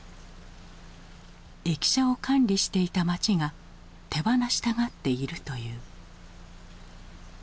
駅舎を管理していた町が手放したがっているという。